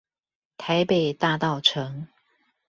台北大稻埕